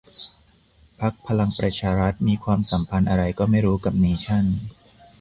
พรรคพลังประชารัฐ มีความสัมพันธ์อะไรก็ไม่รู้กับเนชั่น